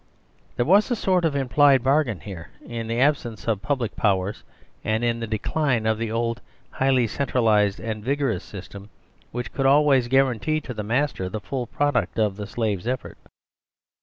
There was asort of implied bargain here, in the absence of public powers and in the decline of the old highly centralised and vigorous system which could always guarantee to the master the full product of the Slave's effort.